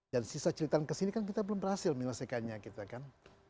dan sisa cililitan kesini kan kita belum berhasil menyelesaikannya gitu kan